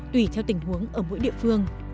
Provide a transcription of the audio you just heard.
tùy theo tình huống ở mỗi địa phương